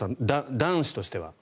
男子としては。